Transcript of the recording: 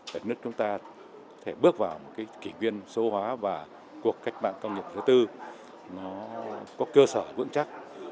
để nước chúng ta có thể bước vào kỷ nguyên số hóa và cuộc cách mạng công nghiệp thứ tư có cơ sở vững chắc